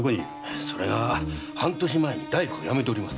それが半年前に大工を辞めております。